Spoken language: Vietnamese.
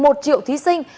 hơn một triệu thí sinh